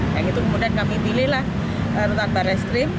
yang itu kemudian kami pilihlah rutan barat stream